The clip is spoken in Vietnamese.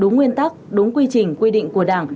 đúng nguyên tắc đúng quy trình quy định của đảng